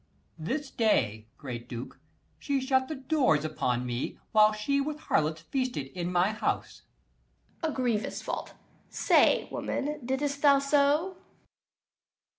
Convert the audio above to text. E._ This day, great Duke, she shut the doors upon me, While she with harlots feasted in my house. 205 Duke. A grievous fault! Say, woman, didst thou so?